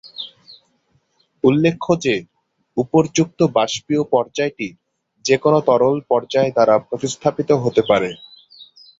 উল্লেখ্য যে, উপর্যুক্ত বাস্পীয় পর্যায়টি যেকোনো তরল পর্যায় দ্বারা প্রতিস্থাপিত হতে পারে।